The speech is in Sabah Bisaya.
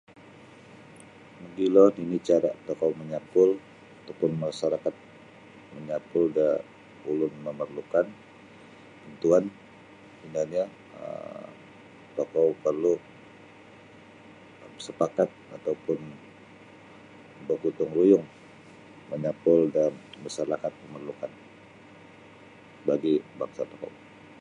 Mogilo nini' cara' tokou manyapul atau pun masarakat manyapul da ulun momorlukan bantuan ino nio um tokou porlu sapakat atau pun bagotong ruyung manyapul da masarakat momorlukan bagi bangsa tokou.